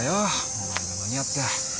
お前が間に合って。